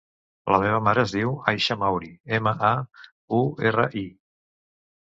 La meva mare es diu Aisha Mauri: ema, a, u, erra, i.